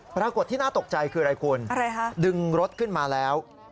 ปรากฏที่น่าตกใจคืออะไรคุณดึงรถขึ้นมาแล้ว